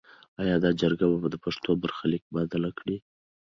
ایا دا جرګه به د پښتنو برخلیک بدل کړي؟